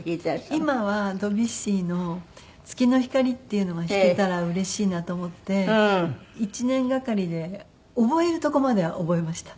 今はドビュッシーの『月の光』っていうのが弾けたらうれしいなと思って１年がかりで覚えるとこまでは覚えました。